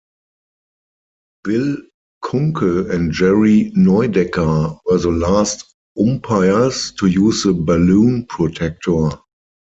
Bill Kunkel and Jerry Neudecker were the last umpires to use the "balloon" protector.